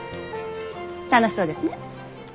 楽しそうですね。